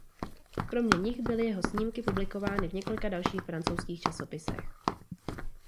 Kromě nich byly jeho snímky publikovány v několika dalších francouzských časopisech.